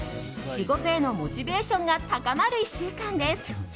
仕事へのモチベーションが高まる１週間です。